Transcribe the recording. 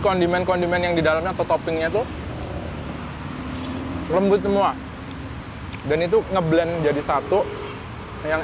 kondimen kondimen yang didalamnya toppingnya tuh hai lembut semua dan itu ngeblend jadi satu yang